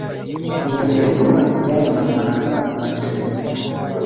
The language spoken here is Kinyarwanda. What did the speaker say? iyoherezwa ry ayo mafaranga ku bacuruzi